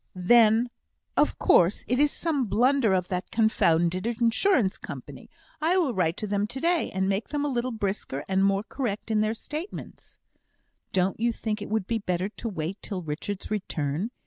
"Then of course it is some blunder of that confounded Insurance Company. I will write to them to day, and make them a little brisker and more correct in their statements." "Don't you think it would be better to wait till Richard's return?